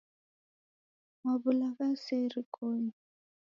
Maw'ula ghasia irikonyi.